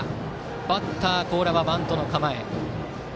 バッター、高良はバントの構え。